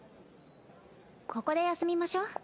ここで休みましょ。